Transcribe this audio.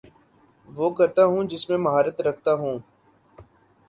وہ کرتا ہوں جس میں مہارت رکھتا ہو